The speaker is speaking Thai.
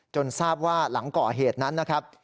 ทราบว่าหลังก่อเหตุนั้นนะครับ